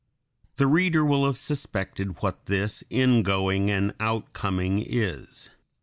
The reader will have suspected what this in going and out coming is.